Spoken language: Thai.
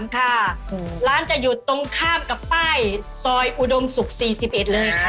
ค่ะอืมร้านจะอยู่ตรงข้ามกับป้ายซอยอุดมศุกร์สี่สิบเอ็ดเลยค่ะ